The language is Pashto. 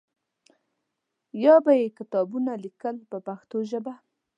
یا به یې کتابونه لیکل په پښتو ژبه.